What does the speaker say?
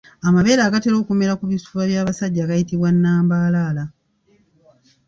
Amabeere agatera okumera ku bifuba by’abasajja gayitibwa nambaalaala.